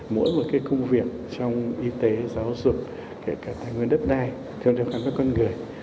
mỗi một cái công việc trong y tế giáo dục kể cả tài nguyên đất đai thường đem gắn với con người